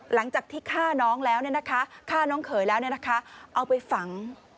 หลังจากที่ฆ่าน้องเขยแล้วเอาไปฝัง